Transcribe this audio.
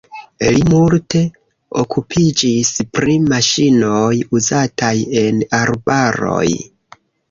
Li multe okupiĝis pri maŝinoj uzataj en arbaroj.